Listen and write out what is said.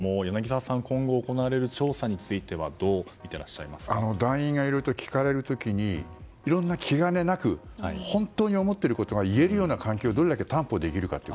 第三者を入れるということは必須だと思いますが柳澤さん今後行われる調査については団員がいると聞かれる時にいろんな気兼ねなく本当に思っていることが言えるような環境をどれだけ担保できるか。